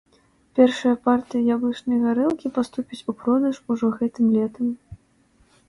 Першая партыя яблычнай гарэлкі паступіць у продаж ужо гэтым летам.